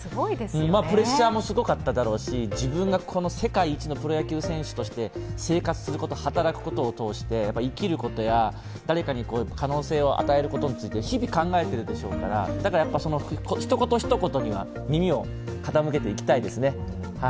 プレッシャーもすごかっただろうし自分が世界一のプロ野球選手として生活すること、働くことを通して生きることや誰かに可能性を与えることについて日々考えているでしょうから、一言一言に耳を傾けていきたいですね。